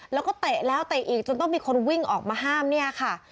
แล้วก็เตะแล้วเตะอีกจนต้องมีคนวิ่งออกมาห้ามเนี่ยค่ะ